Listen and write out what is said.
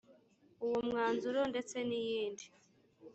uwo mwanzuro ndetse n iyindi